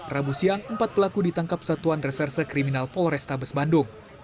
rabu siang empat pelaku ditangkap satuan reserse kriminal polrestabes bandung